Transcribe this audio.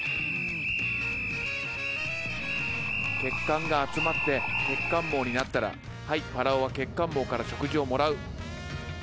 血管が集まって血管網になったらはいぱらおは血管網から食事をもらう。